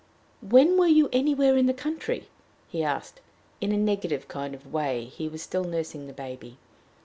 "When were you anywhere in the country?" he asked. In a negative kind of way he was still nursing the baby.